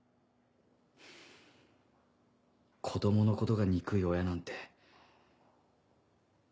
子供のことが憎い親なんて。